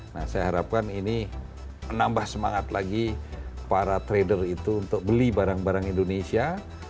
nah saya harapkan ini menambah semangat lagi para trader itu untuk beli barang barang indonesia